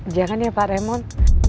jangan ya pak raymond